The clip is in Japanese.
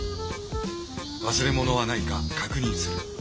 忘れ物はないか確認する。